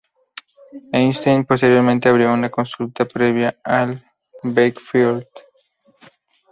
Einstein posteriormente abrió una consulta privada en Bakersfield.